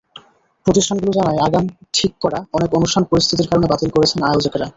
প্রতিষ্ঠানগুলো জানায়, আগাম ঠিক করা অনেক অনুষ্ঠান পরিস্থিতির কারণে বাতিল করছেন আয়োজকেরা।